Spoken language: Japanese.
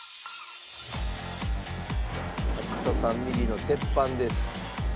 厚さ３ミリの鉄板です。